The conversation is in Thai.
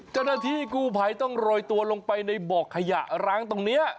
เจ้าหน้าที่กู้ภัยต้องโรยตัวลงไปในบ่อขยะร้างตรงนี้